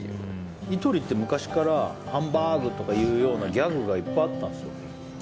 イトリって昔からハンバーグ！って言うようなギャグがいっぱいあったんですよ。